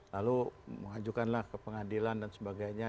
lalu mengajukanlah ke pengadilan dan sebagainya